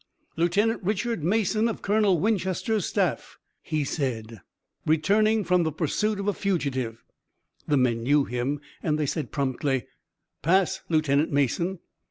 "Lieutenant Richard Mason of Colonel Winchester's staff," he said, "returning from the pursuit of a fugitive." The men knew him and they said promptly: "Pass Lieutenant Mason."